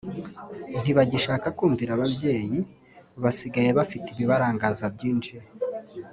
ntibagishaka kumvira ababyeyi basigaye bafite ibibarangaza byinshi